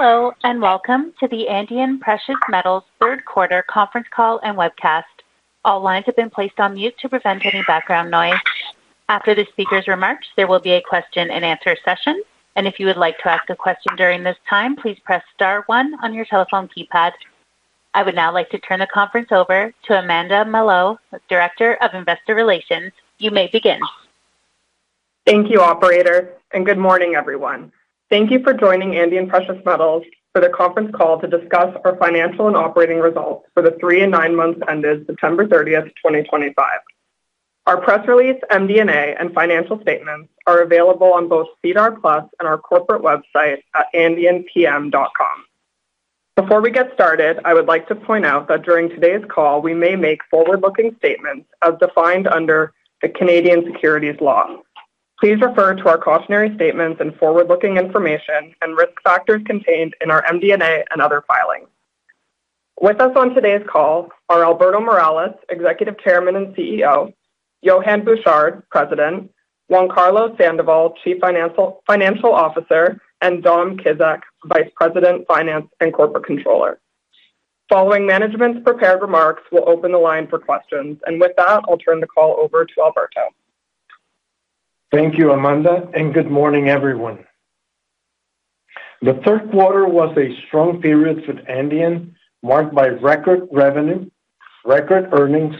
Hello and welcome to the Andean Precious Metals Third Quarter Conference Call and Webcast. All lines have been placed on mute to prevent any background noise. After the speaker's remarks, there will be a question and answer session, and if you would like to ask a question during this time, please press star one on your telephone keypad. I would now like to turn the conference over to Amanda Mallough, Director of Investor Relations. You may begin. Thank you, Operator, and good morning, everyone. Thank you for joining Andean Precious Metals for the conference call to discuss our financial and operating results for the three and nine months ended September 30, 2025. Our press release, MD&A, and financial statements are available on both SEDAR+ and our corporate website at andeanpm.com. Before we get started, I would like to point out that during today's call, we may make forward-looking statements as defined under the Canadian Securities Law. Please refer to our cautionary statements and forward-looking information and risk factors contained in our MD&A and other filings. With us on today's call are Alberto Morales, Executive Chairman and CEO; Yohann Bouchard, President; Juan Carlos Sandoval, Chief Financial Officer; and Dom Kizek, Vice President, Finance and Corporate Controller. Following management's prepared remarks, we'll open the line for questions, and with that, I'll turn the call over to Alberto. Thank you, Amanda, and good morning, everyone. The third quarter was a strong period for Andean, marked by record revenue, record earnings,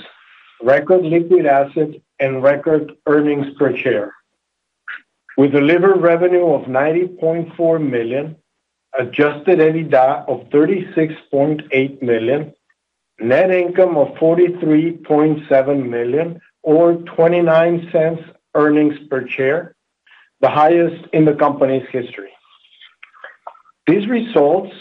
record liquid assets, and record earnings per share. We delivered revenue of $90.4 million, adjusted EBITDA of $36.8 million, net income of $43.7 million, or $0.29 earnings per share, the highest in the company's history. These results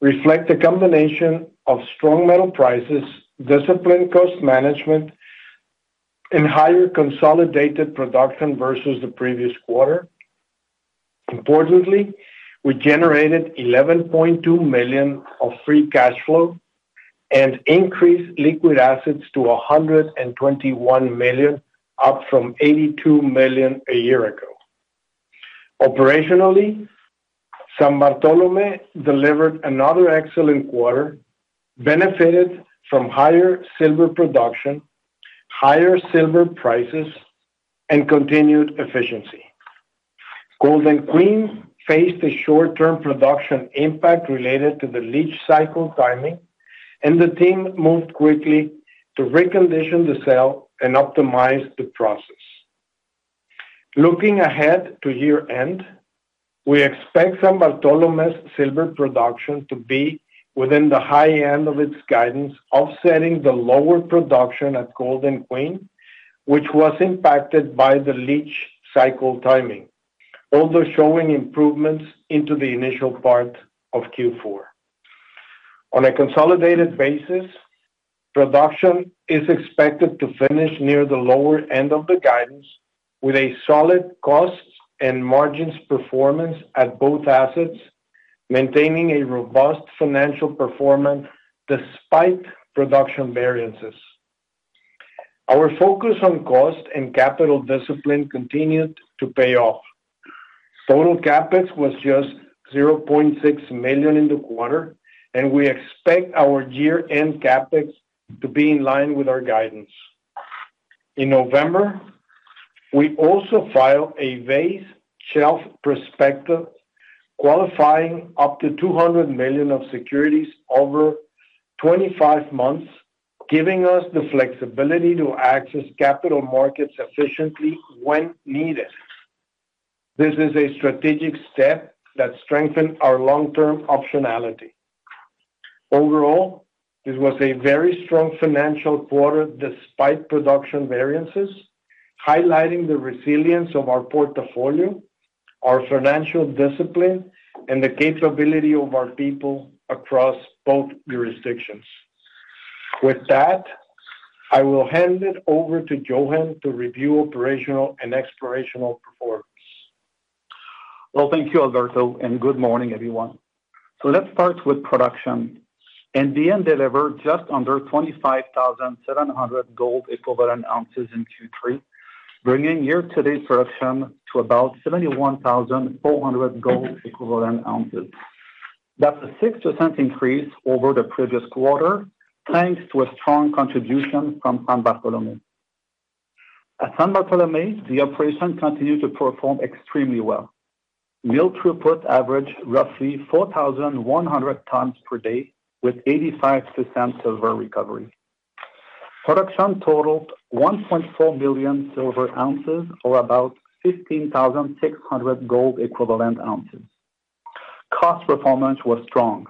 reflect the combination of strong metal prices, disciplined cost management, and higher consolidated production versus the previous quarter. Importantly, we generated $11.2 million of free cash flow and increased liquid assets to $121 million, up from $82 million a year ago. Operationally, San Bartolomé delivered another excellent quarter, benefited from higher silver production, higher silver prices, and continued efficiency. Golden Queen faced a short-term production impact related to the leach cycle timing, and the team moved quickly to recondition the cell and optimize the process. Looking ahead to year-end, we expect San Bartolomé's silver production to be within the high end of its guidance, offsetting the lower production at Golden Queen, which was impacted by the leach cycle timing, although showing improvements into the initial part of Q4. On a consolidated basis, production is expected to finish near the lower end of the guidance, with a solid cost and margins performance at both assets, maintaining a robust financial performance despite production variances. Our focus on cost and capital discipline continued to pay off. Total CapEx was just $0.6 million in the quarter, and we expect our year-end CapEx to be in line with our guidance. In November, we also filed a Base Shelf Prospectus qualifying up to $200 million of securities over 25 months, giving us the flexibility to access capital markets efficiently when needed. This is a strategic step that strengthens our long-term optionality. Overall, this was a very strong financial quarter despite production variances, highlighting the resilience of our portfolio, our financial discipline, and the capability of our people across both jurisdictions. With that, I will hand it over to Yohann to review operational and explorational performance. Thank you, Alberto, and good morning, everyone. Let's start with production. Andean delivered just under 25,700 gold equivalent ounces in Q3, bringing year-to-date production to about 71,400 gold equivalent ounces. That's a 6% increase over the previous quarter, thanks to a strong contribution from San Bartolomé. At San Bartolomé, the operation continued to perform extremely well. Milled throughput averaged roughly 4,100 tons per day, with 85% silver recovery. Production totaled 1.4 million silver ounces, or about 15,600 gold equivalent ounces. Cost performance was strong.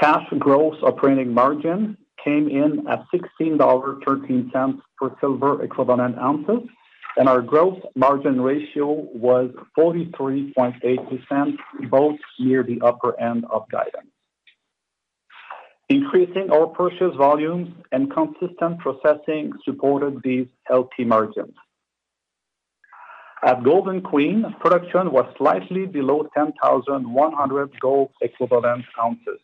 Cash gross operating margin came in at $16.13 per silver equivalent ounce, and our gross margin ratio was 43.8%, both near the upper end of guidance. Increasing our purchase volumes and consistent processing supported these healthy margins. At Golden Queen, production was slightly below 10,100 gold equivalent ounces.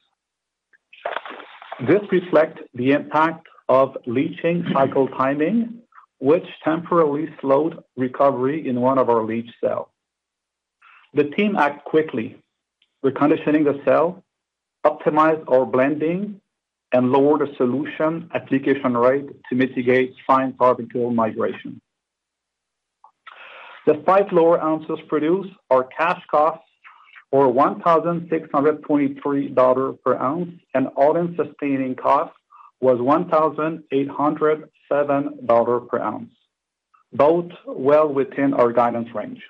This reflects the impact of leaching cycle timing, which temporarily slowed recovery in one of our leach cells. The team acted quickly, reconditioning the cell, optimized our blending, and lowered the solution application rate to mitigate fine particle migration. The five lower ounces produced are cash costs for $1,623 per ounce, and all-in sustaining cost was $1,807 per ounce, both well within our guidance range.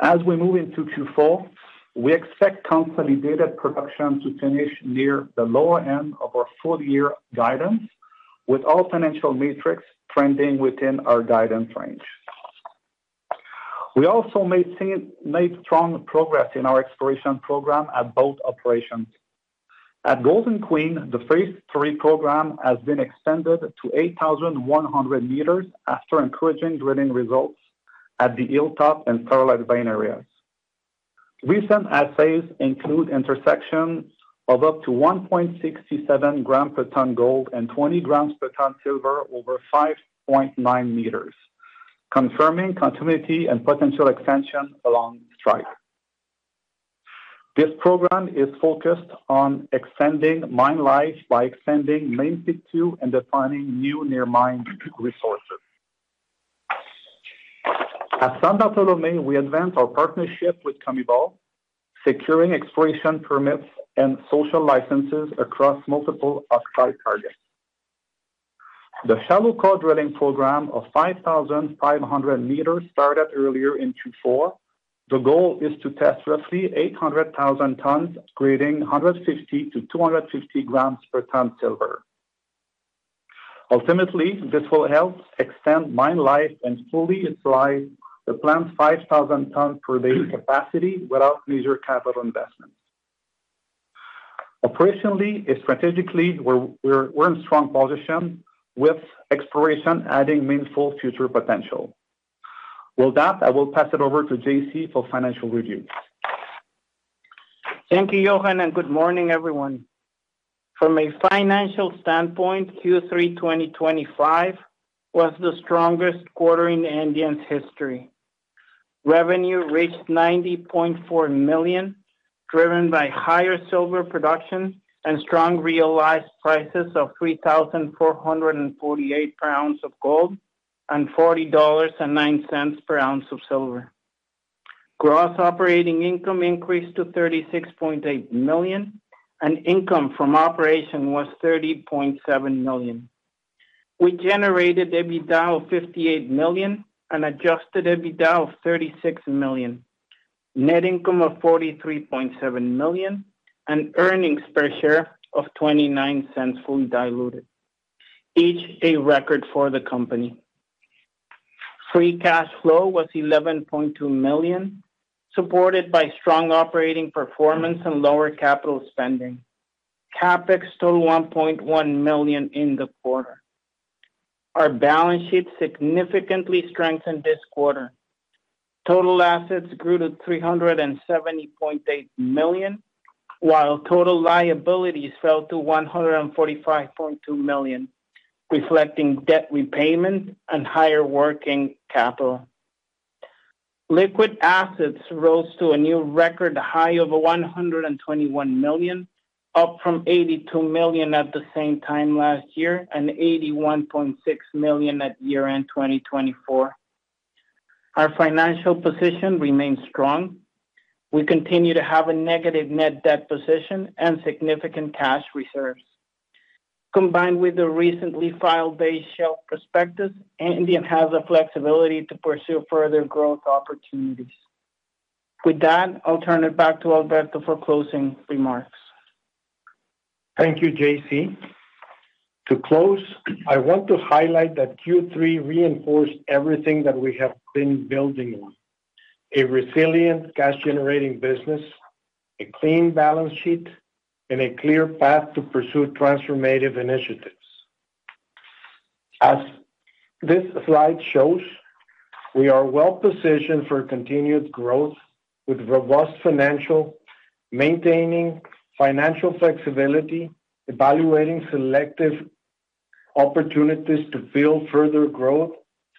As we move into Q4, we expect consolidated production to finish near the lower end of our full-year guidance, with all financial metrics trending within our guidance range. We also made strong progress in our exploration program at both operations. At Golden Queen, the phase three program has been extended to 8,100 meters after encouraging drilling results at the hilltop and Starlight Vine areas. Recent assays include intersections of up to 1.67g per ton gold and 20g per ton silver over 5.9 ms, confirming continuity and potential extension along strike. This program is focused on extending mine life by extending main pit two and defining new near-mine resources. At San Bartolomé, we advance our partnership with COMIBOL, securing exploration permits and social licenses across multiple oxide targets. The shallow core drilling program of 5,500 meters started earlier in Q4. The goal is to test roughly 800,000 tons, grading 150g-250g per ton silver. Ultimately, this will help extend mine life and fully utilize the planned 5,000-ton per day capacity without major capital investments. Operationally and strategically, we're in a strong position with exploration adding meaningful future potential. With that, I will pass it over to JC for financial review. Thank you, Yohann, and good morning, everyone. From a financial standpoint, Q3 2025 was the strongest quarter in Andean's history. Revenue reached $90.4 million, driven by higher silver production and strong realized prices of 3,448 pounds of gold and $40.09 per ounce of silver. Gross operating income increased to $36.8 million, and income from operation was $30.7 million. We generated EBITDA of $58 million and adjusted EBITDA of $36 million. Net income of $43.7 million and earnings per share of $0.29 fully diluted, each a record for the company. Free cash flow was $11.2 million, supported by strong operating performance and lower capital spending. CapEx totaled $1.1 million in the quarter. Our balance sheet significantly strengthened this quarter. Total assets grew to $370.8 million, while total liabilities fell to $145.2 million, reflecting debt repayment and higher working capital. Liquid assets rose to a new record high of $121 million, up from $82 million at the same time last year and $81.6 million at year-end 2024. Our financial position remains strong. We continue to have a negative net debt position and significant cash reserves. Combined with the recently filed Base Shelf Prospectus, Andean has the flexibility to pursue further growth opportunities. With that, I'll turn it back to Alberto for closing remarks. Thank you, JC. To close, I want to highlight that Q3 reinforced everything that we have been building on: a resilient cash-generating business, a clean balance sheet, and a clear path to pursue transformative initiatives. As this slide shows, we are well-positioned for continued growth with robust financials, maintaining financial flexibility, evaluating selective opportunities to build further growth,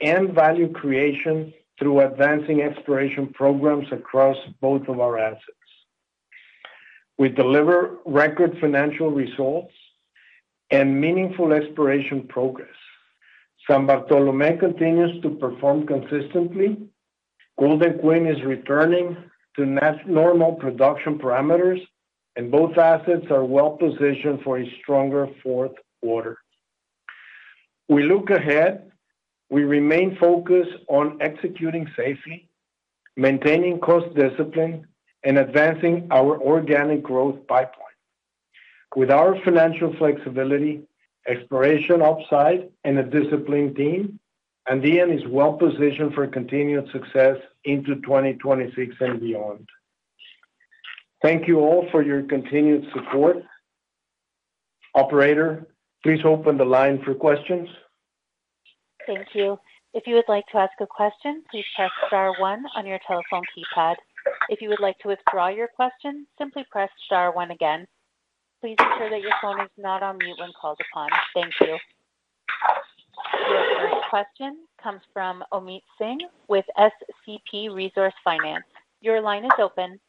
and value creation through advancing exploration programs across both of our assets. We deliver record financial results and meaningful exploration progress. San Bartolomé continues to perform consistently. Golden Queen is returning to normal production parameters, and both assets are well-positioned for a stronger fourth quarter. We look ahead. We remain focused on executing safely, maintaining cost discipline, and advancing our organic growth pipeline. With our financial flexibility, exploration upside, and a disciplined team, Andean is well-positioned for continued success into 2026 and beyond. Thank you all for your continued support. Operator, please open the line for questions. Thank you. If you would like to ask a question, please press star one on your telephone keypad. If you would like to withdraw your question, simply press star one again. Please ensure that your phone is not on mute when called upon. Thank you. Your first question comes from Omeet Singh with SCP Resource Finance. Your line is open.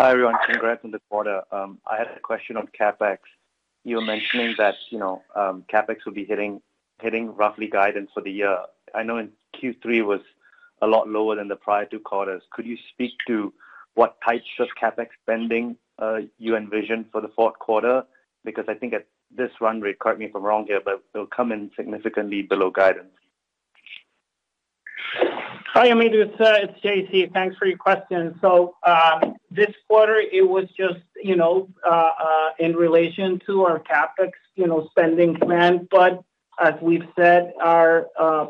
Hi, everyone. Congrats on the quarter. I had a question on CapEx. You were mentioning that CapEx will be hitting roughly guidance for the year. I know Q3 was a lot lower than the prior two quarters. Could you speak to what types of CapEx spending you envision for the fourth quarter? Because I think at this run rate, correct me if I'm wrong here, but it'll come in significantly below guidance. Hi, Omeet. It's JC. Thanks for your question. This quarter, it was just in relation to our CapEx spending plan. As we've said, our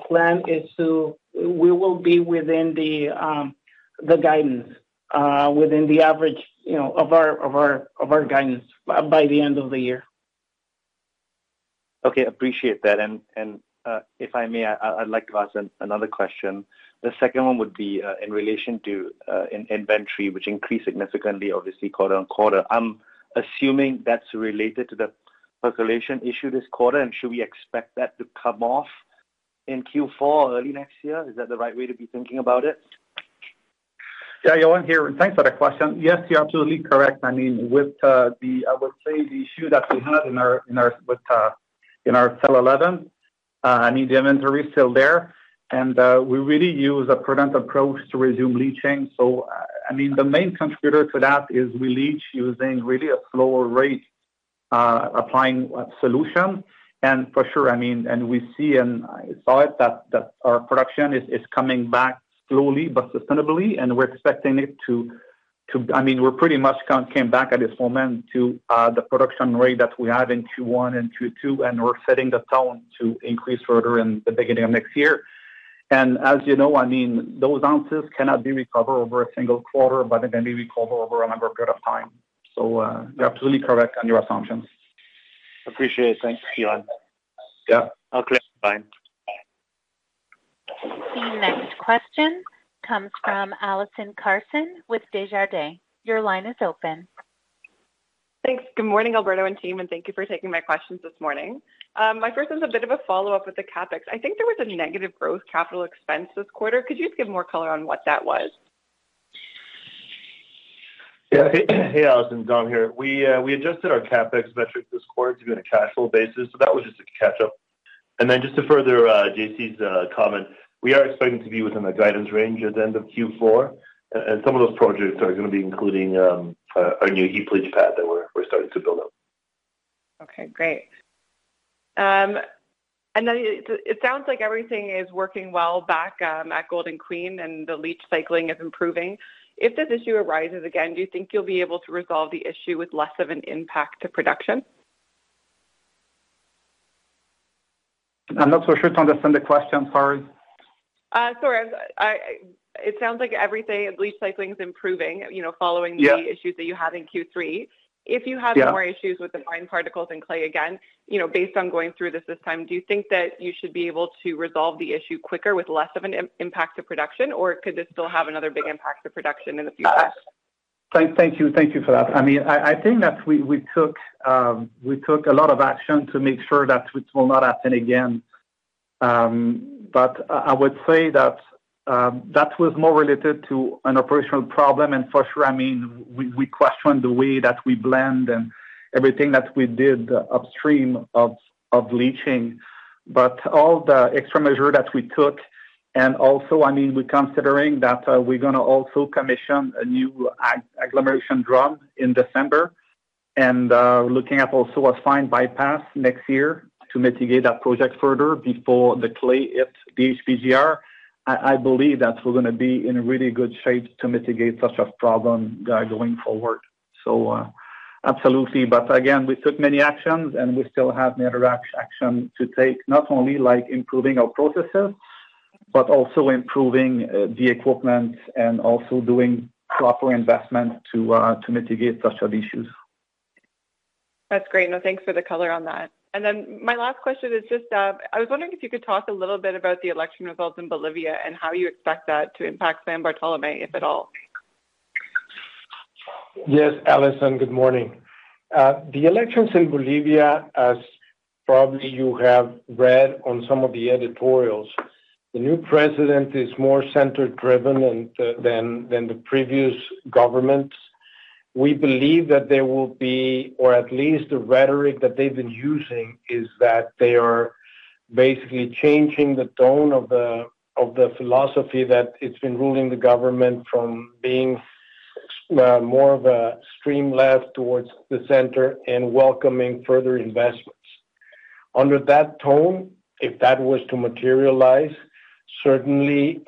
plan is to be within the guidance, within the average of our guidance by the end of the year. Okay. Appreciate that. If I may, I'd like to ask another question. The second one would be in relation to inventory, which increased significantly, obviously, quarter on quarter. I'm assuming that's related to the percolation issue this quarter. Should we expect that to come off in Q4 or early next year? Is that the right way to be thinking about it? Yeah, Yohann here. Thanks for the question. Yes, you're absolutely correct. I mean, with the, I would say, the issue that we had in our cell 11, the inventory is still there. We really use a prudent approach to resume leaching. I mean, the main contributor to that is we leach using really a slower rate applying solution. For sure, I mean, and we see and I saw it that our production is coming back slowly but sustainably. We're expecting it to, I mean, we've pretty much come back at this moment to the production rate that we had in Q1 and Q2, and we're setting the tone to increase further in the beginning of next year. As you know, those ounces cannot be recovered over a single quarter, but they can be recovered over a longer period of time. You're absolutely correct on your assumptions. Appreciate it. Thanks, Yohann. Yeah. All clear. Bye. The next question comes from Allison Carson with Desjardins. Your line is open. Thanks. Good morning, Alberto and team, and thank you for taking my questions this morning. My first is a bit of a follow-up with the CapEx. I think there was a negative growth capital expense this quarter. Could you give more color on what that was? Yeah. Hey, Allison down here. We adjusted our CapEx metrics this quarter to be on a cash flow basis. That was just a catch-up. Just to further JC's comment, we are expecting to be within the guidance range at the end of Q4. Some of those projects are going to be including our new leach pad that we're starting to build up. Okay. Great. It sounds like everything is working well back at Golden Queen, and the leach cycling is improving. If this issue arises again, do you think you'll be able to resolve the issue with less of an impact to production? I'm not so sure to understand the question. Sorry. Sorry. It sounds like everything, leach cycling is improving following the issues that you had in Q3. If you have more issues with the fine particles and clay again, based on going through this this time, do you think that you should be able to resolve the issue quicker with less of an impact to production, or could this still have another big impact to production in the future? Thank you for that. I mean, I think that we took a lot of action to make sure that it will not happen again. I would say that that was more related to an operational problem. For sure, I mean, we questioned the way that we blend and everything that we did upstream of leaching. All the extra measure that we took, and also, I mean, we're considering that we're going to also commission a new agglomeration drum in December and looking at also a fine bypass next year to mitigate that project further before the clay hits the HPGR. I believe that we're going to be in really good shape to mitigate such a problem going forward. Absolutely. Again, we took many actions, and we still have many other actions to take, not only improving our processes, but also improving the equipment and also doing proper investment to mitigate such issues. That's great. Thanks for the color on that. My last question is just I was wondering if you could talk a little bit about the election results in Bolivia and how you expect that to impact San Bartolomé, if at all. Yes, Alison. Good morning. The elections in Bolivia, as probably you have read on some of the editorials, the new president is more center-driven than the previous governments. We believe that there will be, or at least the rhetoric that they've been using is that they are basically changing the tone of the philosophy that it's been ruling the government from being more of a stream left towards the center and welcoming further investments. Under that tone, if that was to materialize, certainly,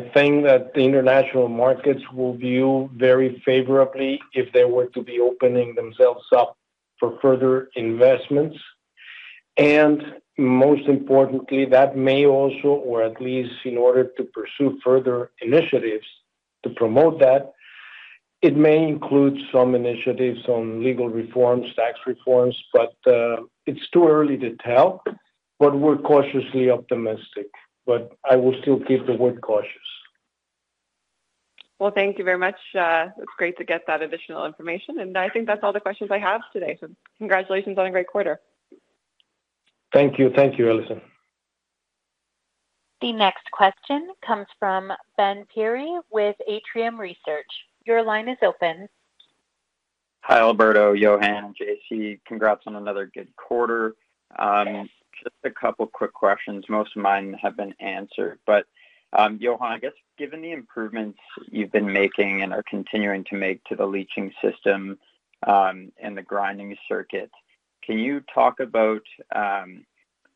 I think that the international markets will view very favorably if they were to be opening themselves up for further investments. Most importantly, that may also, or at least in order to pursue further initiatives to promote that, it may include some initiatives on legal reforms, tax reforms, but it's too early to tell. We're cautiously optimistic. I will still keep the word cautious. Thank you very much. It's great to get that additional information. I think that's all the questions I have today. Congratulations on a great quarter. Thank you. Thank you, Alison. The next question comes from Ben Pirie with Atrium Research. Your line is open. Hi, Alberto, Yohann, and JC. Congrats on another good quarter. Just a couple of quick questions. Most of mine have been answered. Yohann, I guess given the improvements you've been making and are continuing to make to the leaching system and the grinding circuit, can you talk about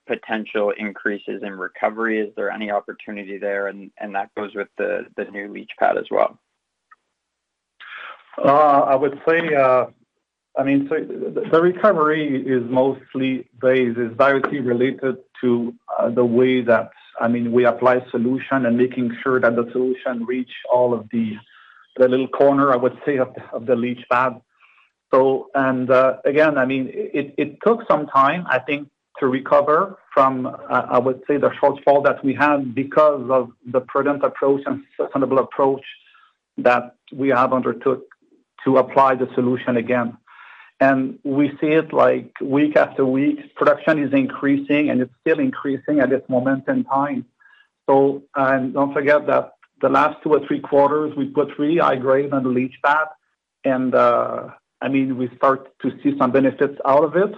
potential increases in recovery? Is there any opportunity there? That goes with the new leach pad as well. I would say, I mean, the recovery is mostly based, is directly related to the way that, I mean, we apply solution and making sure that the solution reached all of the little corner, I would say, of the leach pad. Again, I mean, it took some time, I think, to recover from, I would say, the shortfall that we had because of the prudent approach and sustainable approach that we have undertook to apply the solution again. We see it, like, week after week, production is increasing, and it is still increasing at this moment in time. Do not forget that the last two or three quarters, we put really high grade on the leach pad. I mean, we start to see some benefits out of it.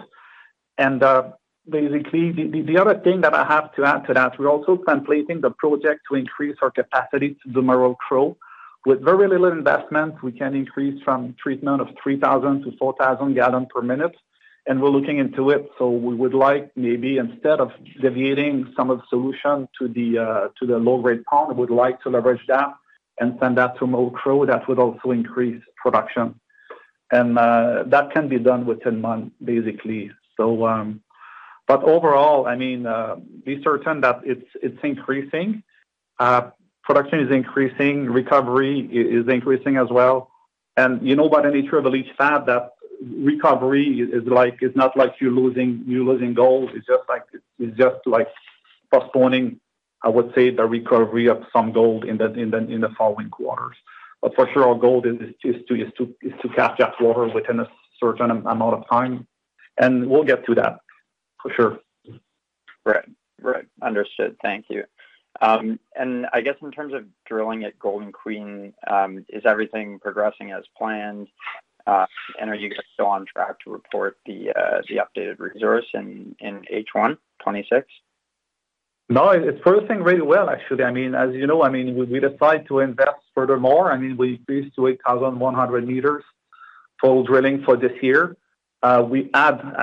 Basically, the other thing that I have to add to that, we're also completing the project to increase our capacity to do more Merrill-Crowe with very little investment. We can increase from treatment of 3,000 gallons-4,000 gallons per minute. We're looking into it. We would like maybe instead of deviating some of the solution to the low-grade pond, we'd like to leverage that and send that to more Merrill-Crowe that would also increase production. That can be done within months, basically. Overall, I mean, be certain that it's increasing. Production is increasing. Recovery is increasing as well. You know by the nature of the leach pad that recovery is not like you're losing gold. It's just like postponing, I would say, the recovery of some gold in the following quarters. Our goal is to capture that water within a certain amount of time. We'll get to that for sure. Right. Understood. Thank you. I guess in terms of drilling at Golden Queen, is everything progressing as planned? Are you guys still on track to report the updated resource in H1 2026? No, it's progressing really well, actually. I mean, as you know, I mean, we decide to invest furthermore. I mean, we increased to 8,100 meters total drilling for this year. I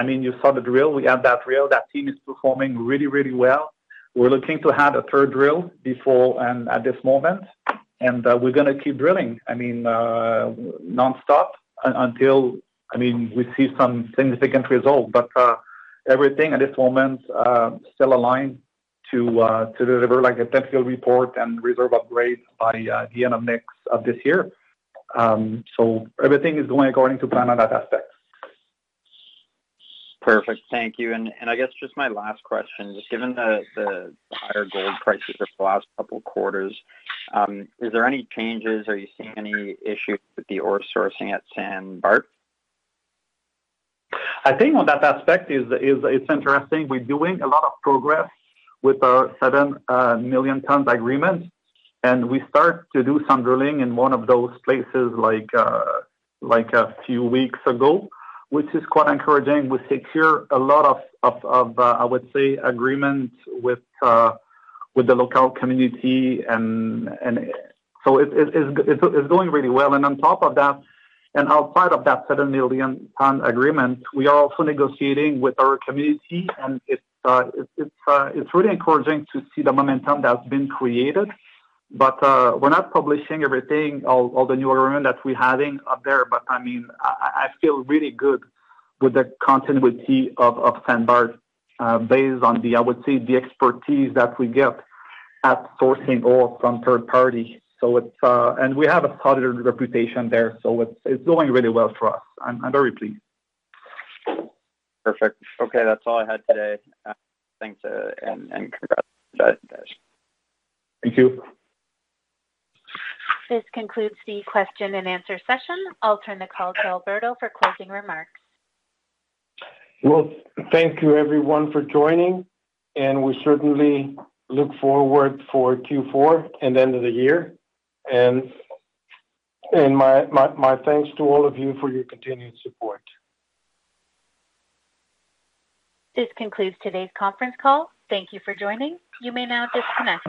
mean, you saw the drill. We have that drill. That team is performing really, really well. We're looking to have a third drill at this moment. We're going to keep drilling, I mean, nonstop until, I mean, we see some significant result. Everything at this moment is still aligned to deliver a technical report and reserve upgrade by the end of next of this year. Everything is going according to plan on that aspect. Perfect. Thank you. I guess just my last question. Just given the higher gold prices over the last couple of quarters, is there any changes? Are you seeing any issues with the ore sourcing at San Bartolomé? I think on that aspect, it's interesting. We're doing a lot of progress with our 7 million ton agreement. We start to do some drilling in one of those places like a few weeks ago, which is quite encouraging. We secure a lot of, I would say, agreements with the local community. It's going really well. On top of that, and outside of that 7 million ton agreement, we are also negotiating with our community. It's really encouraging to see the momentum that's been created. We're not publishing everything, all the new agreement that we're having up there. I mean, I feel really good with the continuity of San Bartolomé based on the, I would say, the expertise that we get at sourcing ore from third party. We have a solid reputation there. It's going really well for us. I'm very pleased. Perfect. Okay. That's all I had today. Thanks. And congrats. Thanks guys. Thank you. This concludes the question and answer session. I'll turn the call to Alberto for closing remarks. Thank you, everyone, for joining. We certainly look forward to Q4 and end of the year. My thanks to all of you for your continued support. This concludes today's conference call. Thank you for joining. You may now disconnect.